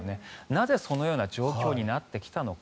なぜそのような状況になってきたのか。